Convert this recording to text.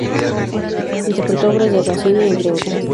Interpretó obras de Racine entre otras.